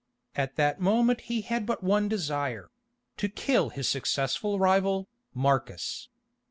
At that moment he had but one desire—to kill his successful rival, Marcus.